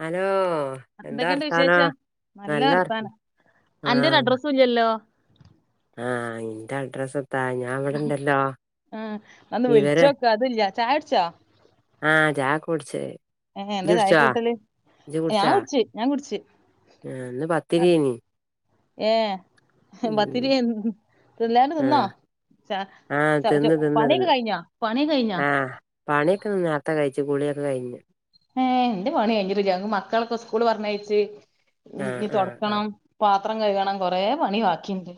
Hello എന്താ എന്തൊക്കെയുണ്ട് വർത്താനം വിശേഷം നല്ല വർ ആഹ് കുല്യല്ലോ ആഹ് ഇന്റെ അഡ്രസെത്താ ഞാൻ ഇവിടെണ്ടല്ലോ ഉം ഒന്ന് ഇവര് വിളിച്ചോക്ക് അതില്ല ചായ കുട്ച്ചോ ആഹ് ചായൊക്ക് കുടിച്ച്. ഏ എന്താ ഇജ്ജ് ചായ കുട്ച്ചാ കൂട്ടല് ഇജ്ജ് ഞാൻ കുട്ച്ചാ കുടിച്ച് ഞാൻ കുടിച്ച് ഇന്ന് പത്തിര്യേനി. ഏഹ് പത്തിരിയേന്ന് തിന്നാണ്ട് തിന്നോ ആഹ് ആഹ് ച തിന്ന് പണിയൊക്കെ കഴിഞ്ഞൊ പണി കഴിഞ്ഞൊ പണി ഒക്കെ ഇന്ന് നേരത്തെ കയിച്ചു കുളിയൊക്കെ കഴിഞ്ഞ്. ഏഹ് ഇന്റെ പണി കഴിഞ്ഞിട്ടില്ല മക്കളൊക്കെ സ്കൂള് പറഞ്ഞയച്ച് ആഹ് ഇനി ആഹ് ആഹ് തൊടക്കണം. പാത്രം കഴുകണം കൊറേ പണി ബാക്കിണ്ട്.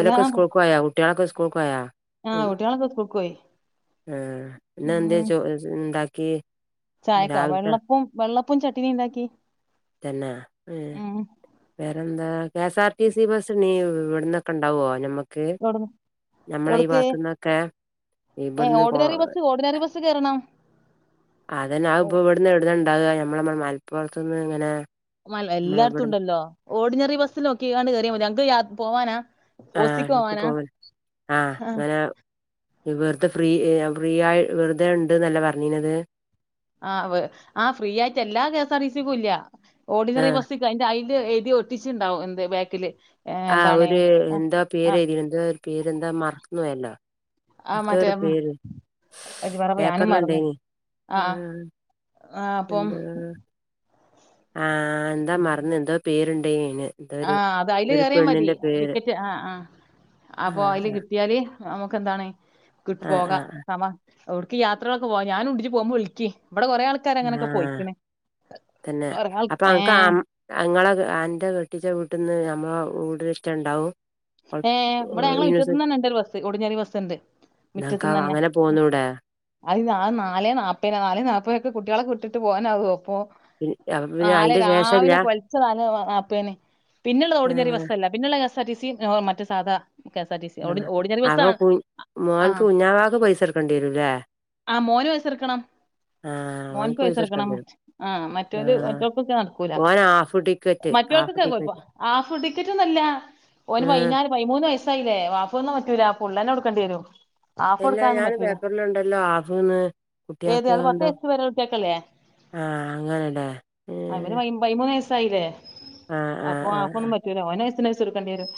ഓലൊക്ക സ്‌കുള്ക്കോയൊ കുട്ട്യോളൊക്ക സ്കുള്ക്കോയ. ആഹ് കുട്ട്യേളൊക്കെ സ്കുള്ക്ക് പോയി. ആഹ് ഇന്നന്തെ ഉം ചോ [unintelligible] ഇണ്ടാക്ക്യേ ചായക്കാ വെള്ളപ്പും വെള്ളപ്പും ചട്ടിനി ഇണ്ടാക്കി. തന്നാ ഏഹ് വേറെന്താ K S R T C ബസ്നി ഇവ്ട്ന്നൊക്ക ഇണ്ടാവോ ഞമ്മ ക്ക് എവിടുന്ന് ഞമ്മളെ ഈ എവിടുക്ക് ഭാത്തുന്നൊക്ക ഏഹ് ഇബ്ട്ന്ന് കോ ഓർഡിനറി ബസ് ഓർഡിനറി ബസ് സ് കേറണം. അതന്നെ അഹ് ഓ പ്പ ഇവട്ന്ന് എവിട്ന്ന ണ്ടാവ ഞമ്മള മ മൽപ്പൊർത്ത്ന്ന് ങ്ങനെ. മൽ എല്ലാട്ത്തുണ്ടല്ലോ ഓർഡിനറി ബസ്സിൽ നോക്കിക്കണ്ട് കേറ്യോമതി അൻക്ക് യാ പോവാന. ആഹ് ഇൻക്ക് പോവ ആഹ് ങ്ങനെ. ഇ വെർതെ ഫ്രീ ഇ ഫ്രീയായി വെറുതെ ഇണ്ട് ന്നല്ലെ പർഞ്ഞീനത്. ആഹ് വ്വ് ആ ഫ്രീയായിട്ടെല്ലാ K S R T C കൂല്ല ഓർഡിനറി ആഹ് ബസ്സി ത് അയിന്റെ അയില് എഴുതി ഒട്ടിച്ച്ണ്ടാവും എന്ത് ബാക്കില്. ഏഹ് ആഹ് എന്താണ് ഒര് ആഹ് എന്തോ പേര് ആഹ് എഴുതിത് എന്തോരു പേരെന്താ മർന്ന്പോയല്ലോ. ആഹ് മറ്റേ എന്ത് പാടപ്പ ഞാനും മർന്ന് പേപ്പറിലുണ്ടേനി ആഹ് ആഹ്. ആഹ് പ്പൊം എന്താ ആഹ് ന്താ മർന്ന് എന്തോ പേരുണ്ടേയിന് അയിന്. എന്തോ ഒരു ആഹ് അത് അയ്ല് ഒരു കേറ്യാ മതി പെണ്ണിന്റെ പേര് ടിക്കറ്റ് ആഹ് ആഹ് ആഹ് അപ്പൊ അയില് ആഹ് കിട്ട്യാല് നമുക്കെന്താണ് കിട്ട് ആഹ് പോകാ ആഹ് സമ ഒട്ക്ക് യാത്രകളൊക്ക പോവാ ഞാനുണ്ട് ജ് പോവ്മ്പ വിൾക്ക് വടെ കൊറേ ആള് ക്കാര് അങ്ങനൊക്ക ആഹ് പോയിക്ക്ണ് ഒറങ്ങാൾ ഏഹ്. അങ്ങളൊക്ക അന്റെ കെട്ടിച്ച വീട്ട്ന്ന് ഞമ്മളെ കൂടരെറ്റണ്ടാവും. ഏഹ് വടെ ഞങ്ങളെ മിറ്റത്ത്ന്നന്നെ ണ്ട് രു ബസ് ഓർഡിനറി ബസ്ണ്ട്. ന്നാക്കാ അങ്ങനെ പോന്നൂടെ. അയ് ആ നാലേ നാപേന നാലേ നാപക്കെ കുട്ട്യാളെക്ക വിട്ടിട്ട് പോവനാവോ പ്പൊ. പിൻ- അപ്പൊ പിന്നെ നലെ അയിന്റെ ശേഷല്ല രാവിലെ പൊൽച്ച നല് നപ്പയിന് പിന്നെള്ള ഓർഡിനറി ആഹ് ബസ്സല്ല. പിന്നള്ള K S R T C ഏഹ് മറ്റ സാദാ. ആഹ് അപ്പൊ കുഞ് മോൻക്ക് ആഹ് കുഞ്ഞാവാക്ക് പൈസട്ക്കണ്ട്യരും ലേ. ആഹ് മോന് പൈസട്ക്കണം. ആഹ് മോൻക്ക്‌ ഓൻക്ക് പൈസ പൈസട്ക്കണം എടുക്കേണ്ടി വരും ആഹ് മറ്റൊൻ്റ് ആഹ് മറ്റൊക്കൊക്കെ നട്ക്കൂല. ഓൻ ഹാഫ് ടിക്കറ്റ് ഹാഫ് മറ്റോൽക്കൊക്ക അ കോയ്പ്പ ടിക്കറ്റ് ഹാഫ് ടിക്കറ്റൊന്നല്ല. ഒന് ആഹ് പൈനാല് പൈമൂന്ന് വയ്സ്സായിലേ ഹാഫൊന്നും പറ്റൂലാ ഫുള്ളന്നെ കൊട്ക്കണ്ട്യരും. എല്ലാ ഞാന് പേപ്പറിൽണ്ടല്ലോ ഹാഫ്ന്ന് ഏത് കുട്ട്യക്ക് അത് പത്ത് ‌അഎന്തോ. വയസ്സ് വരെ കുട്ടികൾക്കല്ലേ ആഹ് അങ്ങനലേ. അവന് പൈ പൈമൂന്ന് വയ്സ്സായിലേ. ആഹ് ആഹ്. അപ്പൊ ആഹ് ഹാഫൊന്നും പറ്റൂല ഓന് എസ്സിന് പൈസൊട്ക്കണ്ട്യരും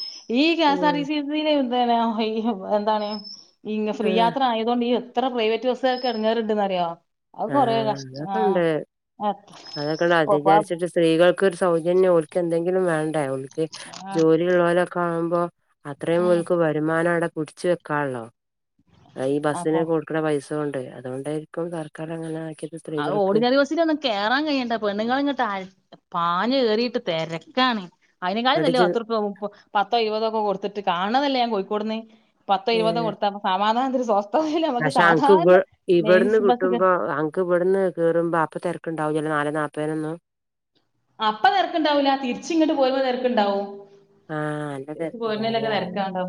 ഈ കെ എസ് ആർ ഉം ടി സി ല്. ന്തേറ്യേ ഈപ്പ എന്താണ് ഈങ്ങ ഫ്രീ ആഹ് യാത്ര ആയതോണ്ട് ഈ. ത്ര പ്രൈവറ്റ് ബസ്സ്കാർക്ക് എട്ങ്ങേറ്ണ്ട്ന്നറ്യോ. അഹ് കൊറേ കഷ് ആഹ് അതൊക്കെണ്ട് എ അതൊക്കെണ്ട് അത് പോപ്പ. വിചാരിച്ചിട്ട് സ്ത്രീകൾക്കൊരു സൗജന്യം ഓര്ക്കെന്തെങ്കിലും വേണ്ടേ ഓൽക്ക് ആ ജോലി ഇള്ളോലൊക്കാവുമ്പോ. അത്രേം ഉം ഓൽക്ക്‌ വരുമാനം അടെ പിടിച്ചു വെക്കാലോ ഈ അപ്പൊ ബസ്സിന് കൊട് ക്ക്ണ പൈസോണ്ട് അതോണ്ടായിരിക്കും സർക്കാറങ്ങനാക്കി അഹ് ഓഡിനറി ബസ്സിനൊന്ന് കേറാൻ കയ്യണ്ടെ പെണ്ണുങ്ങള് ങ്ങട്ട് അ പാഞ്ഞ് കേറിട്ട് തെരക്കാണ്. അയിനെക്കാളു ന്നട്ട് നല്ലത് ഇജ് പത്ത്‌റൂപ്യോ മുപ്പ്‌ പത്തോ ഇരുവതോ ഒക്ക കൊട്ത്തിട്ട് കാൺണതല്ലേ ഞാ കൊയ്ക്കോട്ന്ന്. പത്തോ ഇരുപത്തോ ഏഹ് കൊട്ത്ത പ സമാധാനത്തില് സ്വസ് പക്ഷെ അൻക്ക് ഇബ ഇവട്ന്ന് ബസ് കേ കിട്ടുമ്പോ അ ക്ക്‌ ഇവട്ന്ന് കേറുമ്പ അപ്പ തെരക്ക്ണ്ടാവ് ലല്ലോ നാലേ നാപ്പയിനൊന്നും. അപ്പ തെരക്ക്ണ്ടാവൂല തിരിച്ച്ങ്ങട്ട് പോര്മ്പ തെരക്ക്ണ്ടാവും. ആഹ് നല്ല തിരിച്ച് പോരുന്നലൊക്ക തെരക്കണ്ടാവ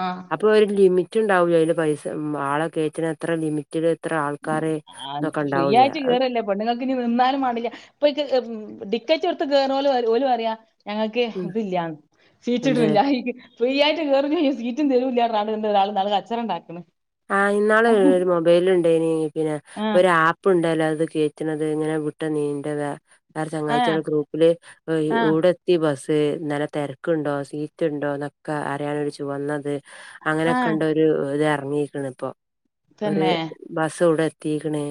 ആഹ്. പ്പോരു ലിമിറ്റ്ണ്ടാവുലെ അയില് പൈസ ഉം ആളെ കേറ്റേണ് എത്ര ലിമി റ്റില് ഇത്ര ആൾക്കാരെ ആ ഫ്രീ തെക്കെണ്ടാവുലേ. ആയിട്ട് കേറല്ലേ പെണ്ണുങ്ങൾക്ക് ഞ് ന്ന്ന്നാലും മാണ്ടില്ല പ്പൊ അഹ് മ് ഡിക്കറ്റ്ട്ത്ത് കേർണോല് ഓല് പറ്യാ. ഞങ്ങക്ക് ഉം ഇതില്ലന്ന് സീറ്റ് എന്ത് കിട്ടിണില്ല ഇരിക്ക ഫ്രീ ആയിട്ട് കേറും ചെയ്യും സീറ്റും തരൂല്ലാർഞ്ഞാണ്ട് ഒരാള് ഇന്നാൾ കച്ചറ ഇണ്ടാക്ക്ണ്. ആഹ്, ഇന്നാള് ഒര് മൊബൈലിൽ ഇണ്ടായിനി പിന്നെ ആഹ് ഒരു ആ ഇപ്പൊ ഇണ്ടേലോ അത് കേറ്റ്ണത് ഇങ്ങനെ വിട്ട്ന്നീന്റത് ഇന്നാര് ആഹ് ചെങ്ങായ്ച്ചിയള് ഗ്രൂപ്പില് ഏയ് ആഹ് ഒവ്ടെ ഈ ബസ്സ് ഇന്നലെ തെരക്ക്ണ്ടോ സീറ്റ് ഇണ്ടോന്നൊക്കെ അറിയാനൊരു ചുവന്നത് അങ്ങനെയൊക്കെ ആഹ് ഇണ്ട് ഒരു ഓര് എർങ്ങീക്ക്ണ് ഇപ്പൊ ഒര് തന്നെ ബസ്സ് ഇവിടെ എതീക്ക്ണ്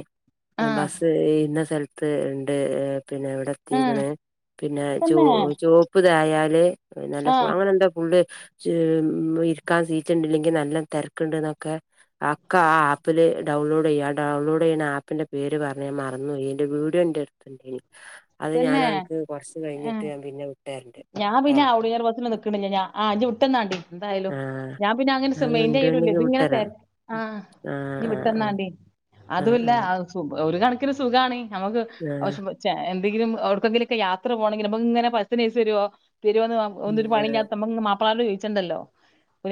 ആഹ് ബസ്സ്‌ ഇന്ന സ്ഥൽത്ത് ഇണ്ട് പിന്നെ ഇവിടെ ആഹ് സ്ത്രീകള് പിന്നെ ചോ തന്നെ ചോപ്പ് ഇതായാല് നല്ല ഫ ആഹ് അങ്ങനെ എന്തോ [unintelligible] [unintelligible] ഇരിക്കാൻ സീറ്റ് ഇണ്ട്. ഇല്ലെങ്കിൽ നല്ല തെരക്ക്ണ്ട്ന്നൊക്കെ അഹ് ഒക്ക ആ ആപ്പില് ഡൗൺലോഡയ്യ് ആ ഡൗൺലോഡ്യ്യ്ണ ആപ്പിന്റെ പേര് പറയാൻ മറന്നു പോയി. അയിന്റെ വീഡിയോ എൻന്റെട്ത്ത് ണ്ടേനി അത് ഞാന് തന്നെ അൻക്ക് കൊർച്ച് കഴിഞ്ഞിട്ട് ആഹ് ഞാൻ പിന്നെ വിട്ടര്ണ്ട് ഇട്ടാ. [unintelligible] ബസ്സിന് നിക്ക്ണ്ല്ലേ ഞാ ആഹ് ഇജ്ജ് വിട്ട്ന്നാണ്ടി എന്തായാലും ആഹ് ഞാൻ പിന്നെ അങ്ങനെ സ് അത് മൈന്റ്യ്യലു ഇല്ല ഉണ്ടെണ്ടെങ്കി ഇത് ഇങ്ങനെ വിട്ടരാം തെര് ആഹ്. ആഹ് ആഹ് ആഹ് അതൂല്ല ആഹ് ആഹ് അഹ് സുഖ ഒരു കണക്കിന് സുഖാണ് നമക്ക് ആവശ്യംപോൽ [unintelligible] എന്തെങ്കിലും ഓട്ക്കെങ്കിലും ഒക്കെ യാത്ര പോണെങ്കിൽ നമക്ക് ഇങ്ങനെ ബസ്സിന് പൈസ തരോ തരോ ഒന്ന് ഒരു പണി ആഹ് ഇല്ലാത്ത നമ്മക്ക് മാ ഇപ്പാനോട് ചോയിച്ചണ്ടല്ലോ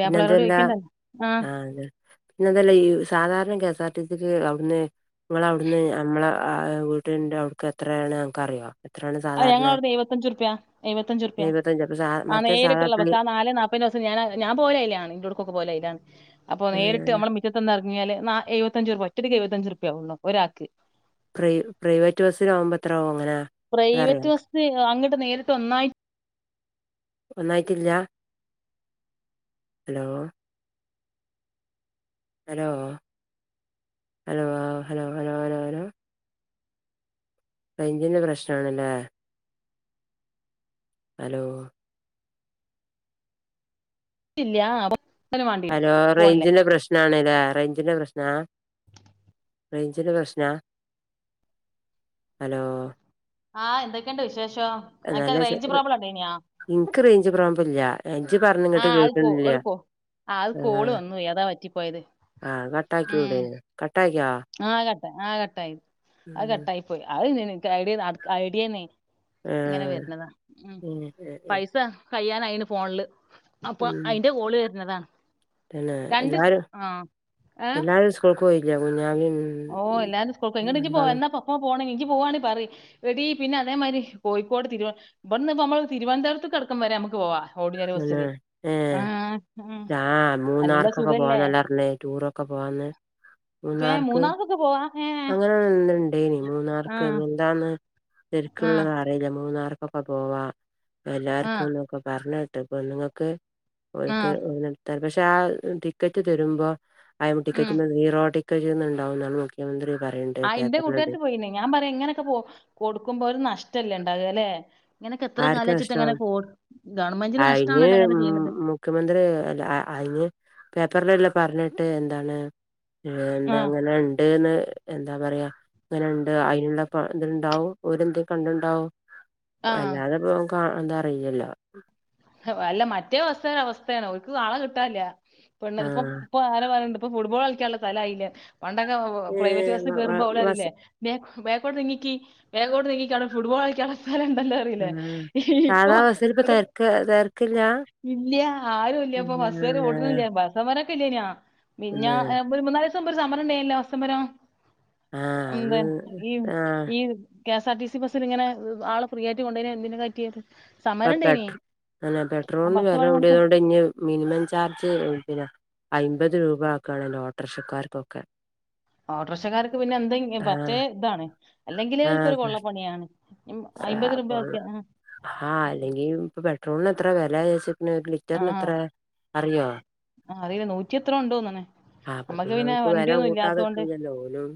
പിന്നെ അതു അല്ല, ആ ഇ പിന്നെ അതല്ല ഈ സാധാരണ കെ എസ് ആർ ടി സിക്ക് അവിട്ന്ന് ഇങ്ങള അവിടുന്ന് നമ്മളെ ആഹ് ഇഹ് വീടിന്റെ അവുട്ക്ക് എത്രയാണ് അനക്ക് അറിയോ? അത് ഞങ്ങള അവിട്ന്ന് എഴുവത്തഞ്ച് ഉർപ്പിയ, എഴുവത്തഞ്ച് ഉർപ്പിയ എഴുപത്തഞ്ച് അപ്പൊ സാ ആ മറ്റേ സാധാ നേരിട്ട്ള്ള പ്രൈ ബസ്സ് ആ നാലെ നാപ്പ പ്പയിന്റെ ബസ്സ്‌ ഞാന്, ഞാൻ പോവല് അയിലാണ് ഇന്റോട്ക്കൊക്കെ പോവല് അയിലാണ് അപ്പൊ ആ, നേരിട്ട് ഞമ്മളെ മി റ്റത്ത് ഇറങ്ങിയല് നാ എഴവത്തഞ്ച് ഉർപ്പിയ ഒറ്റടിയ്ക്ക് എഴുവത്തഞ്ച് ഉർപ്പിയ ആവൊള്ളൂ ഒരാക്ക്. പ്രൈ പ്രൈവറ്റ് ബസ്സിനാവുമ്പോ എത്രാവു അങ്ങനെ അതറിയോ പ്രൈവറ്റ് ബസ്സ്ന് അങ്ങട്ട് നേരിട്ട് ഒന്നായി ഒന്നായിട്ടില്ല. Hello hello hello hello hello hello റൈഞ്ചിന്റെ പ്രശ്ന ആണ്ല്ലേ അലോ [unintelligible] ആവോ ഹലോ റൈഞ്ചിന്റെ പ്രശ്ന ശ്നാണേല്ലോ ഏറെ റൈഞ്ചിന്റെ പ്രശ്ന ഹലോ ആഹ് എന്തൊക്കെ ഇണ്ട് വിശേഷം? ആ അനക്ക് നല്ല റേഞ്ച് വിശേഷം പ്രോബ്ലം ഇണ്ടേയ്ന്യോ ഇൻക്ക് റേഞ്ച് പ്രോബ് ഇല്ല. ഏഹ്, ഇജ്ജ് പർഞ്ഞെ ആ ഇങ്ങട്ട് അത് കോ കേക്ക്ണ്ല്ല. ഒരു കോ ആ അഹ് കോള് വന്നു പോയി അതാ പറ്റി പോയത്. ഉം ടേനിയോ കട്ടാക്കിയാളാ. ആ അഹ് കട്ട ആ കട്ടായി, അഹ് കട്ടായി പോയി അഹ് പിന്നെ ഇൻക്ക് ഐഡിയേന്ന് ഐഡിയേന്ന്. ഇങ്ങനെ ആഹ് വെര്ണതാ ഉം, പൈസ കയ്യാനായിണ് ഫോണില്. അപ്പൊ ഉം ഉം അയിന്റെ കോള് വെര്ന്നതാണ്. തന്നെ എല്ലാരും എല്ലാരും സ്കൂൾക്ക് പോയില്ലേ കുഞ്ഞാവിം ഓഹ് എല്ലാരും സ്കൂൾക്ക് പോയി ഇന്നിട്ട് ഇജ്ജ് പോ എന്നാപ്പൊ ഇപ്പൊ പോണെങ്കിൽ ഇജ്ജ് പോവാണെ പറിയ്. എടീ പിന്നെ, അതേമാതിരി കോഴിക്കോട് തിരുവ ഇബട്ന്ന് ഇപ്പൊ നമ്മള് തിരുവനന്തരത്ത്ക്ക് അട്ക്കം വരെ നമ്മക്ക് പോവാ. ഓടിനാര് തന്നെ ബസ്സില് ഏഹ്, ആഹ് ഉം ആഹ് നല്ല മൂന്നാർക്കൊക്കെ സുഖല്ലേ പോവാന്നല്ലേ പർഞ്ഞെ ടൂറൊ ക്ക പോവാന്ന് മൂന്നാർക്ക് മുക്ക് പോവാ ഏഹ് അങ്ങനെ എന്നുണ്ടേനി മൂന്നാർക്ക്, ആഹ് ഇഞ്ഞ് എന്താന്ന് ആഹ് ശെരിക്ക്ള്ളത് അറി [unintelligible] മൂന്നാർക്കൊക്കെ പോവാ ആഹ് എല്ലാർക്കുംന്നൊക്കെ പർഞ്ഞേട്ട് പെണ്ണ്ങ്ങക്ക് ഓൽക്ക് ആഹ് ഓത്ത പക്ഷെ ആ ടിക്കറ്റ് തരുമ്പോ അയ ടിക്കറ്റ ഉം നീറോ ഒക്കെ ചെയ്യുന്നുണ്ടാവുന്നാണ് മുഖ്യമന്ത്രി പറയുന്നത് ആ ഇന്റെ കൂട്ടാർത്തി പോയിന് ഞാൻ പറയാ ഇങ്ങനൊക്കെ പോ കൊടുക്കുമ്പോ ഒരു നഷ്ടല്ലേ ഇണ്ടാവ ല്ലേ ഇങ്ങനൊക്കെ എത്ര കാലം ആർക്കാ നഷ്ടം വെച്ചിട്ട്ങ്ങനെ ഗവൺമെന്റിന് അയിന് നഷ്ടമാണല്ലോ അങ്ങനെ ഉം ചെയ്യണത് മുഖ്യമന്ത്രി അയിന് പേപ്പറിലെല്ലാം പറഞ്ഞിട്ട് എന്താണ് ആഹ് എന്താ അങ്ങനെ ന്ന് എന്താ പറയാ അങ്ങനെ ഉണ്ട് അയ്നുള്ള ഇത്ണ്ടാവും ഓലെന്തേലും കണ്ടിണ്ടാവും ആഹ് അല്ലാതെപ്പ എന്താ അറിയില്ലല്ലോ അല്ല മറ്റേ ബസ്സാരെ അവസ്ഥയാണ് ഓൽക്ക് ആളെ കിട്ടാല്ല്യ പെണ്ണ് ഇപ്പൊ ആഹ് ഇപ്പൊ ആര പറയണ്ട് ഇപ്പൊ ഫുട്ബോൾ കളിക്കാനുള്ള സ്ഥലയില്ലേ പണ്ടൊക്കെ ഏഹ് വ പ്രൈവറ്റ്സ് വ കയറുമോ അവള ബസ് അറില്ലേ ബേ ബേക്കോടീണിക്കി ബേക്കോട്ടീങ്ങിക്കി അവിടെ ഫുട്ബോൾ കളിക്കാനുള്ള സ്ഥലം ഉണ്ടല്ലോ ല്ലേ ഇപ്പൊ തെർക്കില്ല ഇല്ല ആരും ഇല്ല ഇപ്പൊ ബസ്സാര് ഓട്നില്ല ബസ്സമരൊക്കെ ഇല്ലേനാേ പിന്നെ പിന്ന മ് ര സമരം ഉണ്ടല്ലേ അവസമരം എന്ത ആഹ് ഈ അത് ആഹ് ഈ K S R T C ബസ്ൽ ഇങ്ങനെ ആള് ഫ്രീ ആയ്ട്ട് കൊണ്ട എന്തിന കറ്റിയത് പെപ്പ്ക്ക് അങ്ങനെ പെട്രോളിന് ബസ് വില പണിമുടക്ക് കൂടിയത് കൊണ്ട് ഇഞ് മിനിമം ചാർജ് പിന്നെ അയിമ്പത് രൂപ ആക്കണെ ലോട്ടറിക്ഷക്കാർക്കൊക്കെ ഓട്ടർഷക്കാർക്ക് പിന്നെ എന്തെങ്ക പറ്റേ ആഹ് ഇതാണ് അല്ലെങ്കിലേ അവർക്കൊരു ആഹ് കൊള്ളപ്പണിയാണ് അയിമ്പത് അപ്പോ രൂപക്കെ ആഹ് അല്ലെങ്കിൽ ഇപ്പൊ പെട്രോളിന് എത്ര വിലാച്ചു നിക്കണെ ന്നത്ര അറിയോ ആഹ് അറീല നൂറ്റി എത്രാ ഇണ്ട്തോന്നണ് ആഹ് അപ്പൊ നമ്മക്ക് പിന്നെ ഓൽക്ക് വെല വണ്ടിയൊന്നും ഇല്ലാത്തോണ്ട് കൂട്ടാതെക്കൂലല്ലോ ഓലും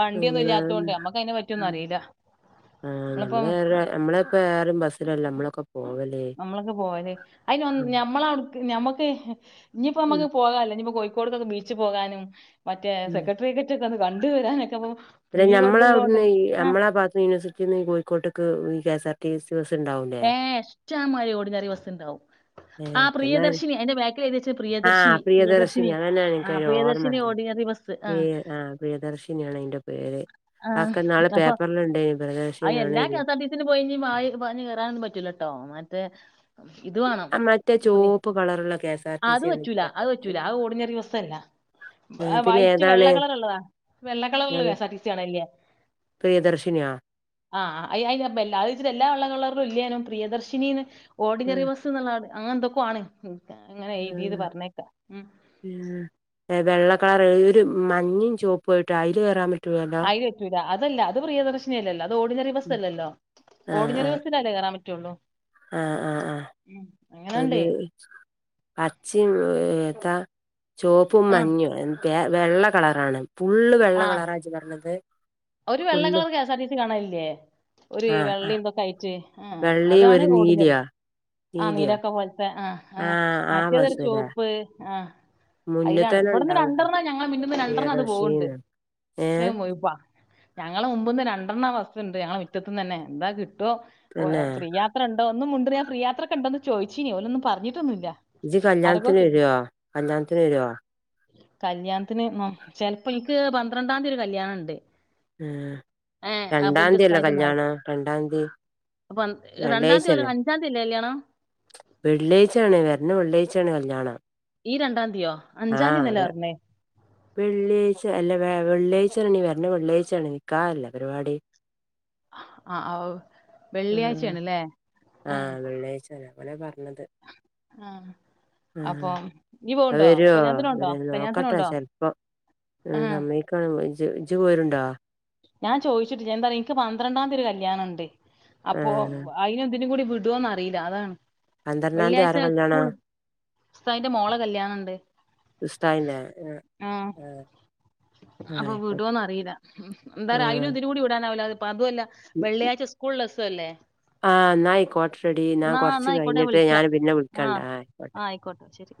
വണ്ടിയൊന്നും ഇങ്ങനെ ഇല്ലാത്തോണ്ട് മ്മുക്ക് അതിനെ പറ്റിയൊന്നും അറിയില ആഹ് ഞമ്മറെ നമ്മളെ ഇപ്പോ ഏറ്യും ബസ്സിലല്ലേ നമ്മളൊക്കെ പോവല്ല് നമ്മളൊക്കെ പോവല് അതിന് ഞമ്മളടു ഞമ്മക്ക് ഇനിയിപ്പോ ഉം നമുക്ക് പോകാല്ലോ ഇനിപ്പോ കോഴിക്കോട്ക്കോക്കെ ബീച്ച് പോകാനും മറ്റേ ഉം സെക്രട്ടറിയ ക്കൊന്നും കണ്ടുവരാനൊക്കെ ഇപ്പൊ അല്ല ഫ്രീ ഞമ്മളെ ഇതുള്ളോണ്ട് അവിടുന്ന് ആ മ്മളാത്ത് യൂണിവേഴ്സിറ്റി ന്നീ കോഴിക്കോട്ടക്ക് ഈ K S R T C ബസ്ണ്ടവു ഏഹ് ഇഷ്ടമാരി ഓട്നറി ബസ്ണ്ടാവും ആഹ് ഏഹ് പ്രിയദർശിനി അയിന്റെ ബാക്കിൽ എഴതി വച്ച ആഹ് പ്രിയദർശിനി പ്രിയദർശിനി അതന്നെ ആ എനിക്കൊരു ഓർമ്മ പ്രിയദർശിനി ഇല്ല ഓർഡ്നറി ബസ്സ് ആഹ് പ്രിയദർശിനിയാണ് അയ്ന്റെ പേര് ആക്കെ നാള് പേപ്പർലിണ്ടേനി പ്രിയദർശ അ എല്ലാ കെ എസ് ആർ ടി സിന് പോയിഞ് പറഞ്ഞഞ് കയറാനും പറ്റൂലട്ടോ മറ്റേ ഇത് വേണം ആ മറ്റേ ചോപ്പ് കളറുള്ള കെ എസ് ആർ ടി അത് സി ആണ് ഇജ്ജ് വച്ചൂല അത് പറഞ്ഞത് വെച്ചൂല ആ ഓർടിനറി ബസ്സല്ല ഏഹ് പിന്നെ വൈറ്റ് വെള്ള ഏതാണ് കളർള്ളതാ വെള്ള കളർള്ള K S R T C കാണെല്ലേ പ്രിയദർശിനിയാ ആഹ് അ അപ്പ എല്ലാെച്ചിട്ട എല്ലാ വെള്ളരും ഇല്ലനും പ്രിയദർശിനിന്ന് ഓഡിനറി ആഹ് ട് അങ്ങെ എന്തൊക്ക ആണ് അങ്ങനെ എഴുതിയത് പറഞ്ഞേക്കാം ഉം വെള്ളക്കളർ ഒരു മഞ്ഞും ചുവപ്പയിട്ടാ അയില് കേയറാൻ പറ്റ ആയില് പറ്റൂല അത്ല്ല അത് പ്രിയദർശിനിയ അല്ലല്ലോ അത് ഓർടിനറി ബസ് അല്ലല്ലോ ആഹ് ആഹ് ഓഡിനറിബസ്സിലല്ലേ കേറാൻ പറ്റുള്ളൂ ആഹ് ആഹ് ആഹ് ഉം അങ്ങനെണ്ട് ഒരു പച്ചും ഏതാ ചോപ്പും മഞ്ഞും വ വെള്ള കളറാണ് ഫുള്ള് വെള്ള ആഹ് കളറാജ് പറഞ്ഞത് ഒരു വെള്ള full colour K S R T C കാണലില്ലേ ഒരു ആഹ് വെള്ളും ആഹ് ഇന്തക്കൊ ആയിട്ട് ആഹ് വെള്ളിയും അതാണ് ഒരു ഓട്നറി നീലിയോ ആഹ് നീലിയോ നീരൊക്കെ പോലത്തെ ആഹ് ആഹ് ആ മറ്റേതൊരു ബസ്സല്ലേ ചോപ്പ് ആഹ് മുന്നിൽ അയിലാണ് തന്നെ ഇവിടന്ന് ഉണ്ടാവും രന്ദ്രേണംണ്ണം ഞങ്ങൾ മിന്നുന്നന്ന രൻഡ്രേണ്ണം അത് പോകണ്ട് പ്രിയദർശിന്ന് പക്ഷേ ഏഹ് പാ ഞങ്ങളു മുമ്പിന്ന് രണ്ടെണ്ണം വസ് ഉണ്ട് ഞങ്ങടെ മിറ്റത്തൂന്നന്നെ എന്താ കിട്ടുവോ ഓഹ് തന്നെ ഫ്രീയാ അത്രണ്ടോ ഒന്നും മുൻഡ്രിയാ ഫ്രീ യാത്രക്കൊണ്ടോന്ന് ചോയിച്ചീനി ഓലൊന്നും പറഞ്ഞിട്ടൊന്നില്ല ഇജ് കല്യാണത്തിന് വര്യോ കല്യാണത്തിന് വര്യോ കല്യാണത്തിന് മം ചെൽപ്പം ഇക്ക് പന്ത്രണ്ടാന്തൊരു കല്യാണെണ്ട് ഏഹ് ഇന്റെ രണ്ടാന്ത്യ അല്ലെ കല്യാണം രണ്ടാന്തി അപ്പം രണ്ടാന്ത്യാവൂല്ല അഞ്ചാന്തി അല്ലെ കല്യാണം വെള്ളിയാഴ്ചാണ് വര്ണ വെള്ളാഴ്ചേണ് കല്യാണം ഈ രണ്ടാംന്ത്യോ ആഹ് അഞ്ചാന്തീന്നെല്ലേ അർഞ്ഞേ വെള്ളിയാഴ്ച അല്ല വെ വെള്ളിയാഴ്ചെ ഞി വെര്ണ വെള്ളിയാഴ്‌ചെണ് നിക്കാഹല്ലേ പരിപാടി ആഹ് അഹ് ആഹ് വെള്ളിയാഴ്ചേണ്ല്ലേ ആഹ് വെള്ളിയാഴ്‌ച്ചന്നെ അങ്ങനെ പർഞ്ഞത് ആഹ് അപ്പൊ ആഹ് നീ അഅ് പോവ്ണ്ടോ വര്യോ കല്യാണത്തിനുണ്ടോ വരാേന്നിനോക്കട്ടെ കല്യാണത്തിനുണ്ടോ ചെൽപ്പം എ് ആഹ് സമ്മയ് ഇക്കാണ് ജ് ഇജ് പോര്ണ്ടോ ഞാൻ ചോയ്ച്ചിട്ടില്ല എന്താറിയോ ഇൻക്ക് പന്ത്രണ്ടാംന്തി ഒരു കല്യാണം ഇണ്ട് അപ്പോ ആഹ് അയിനും ഇതിനും കൂടി വിടാേന്നറിയില്ല അതാണ് പന്ത്രണ്ടാം തീയതി വെള്ള്യാഴ്ച്ച ആരാ കല്യാണം ഇസ്കൂള് ഉസ്താദിന്റെ മോളെ കല്ല്യാണണ്ട് ആഹ് ആഹ് അപ്പാെ ആയിക്കോട്ടെ വിടാേന്നറീല്ല ഉം എന്താറാ അയിനും ആഹ് ഇതിനും കൂടി വിടാനാവുല്ല അപ്പ അതും അല്ല വെള്ളിയാഴ്ച സ്കൂൾള്ള സാെല്ലേ ആഹ് എന്നാ ആയിക്കോട്ടെടി ഞാൻ എന്നാ കൊറച്ച് ആയിക്കോട്ടെ കഴിഞ്ഞിട്ടെ ഞാൻ പിന്നെ വിളിക്കണ്ടായ് ആയ്ക്കോട്ടെ അയ്ക്കോട്ടെശെരി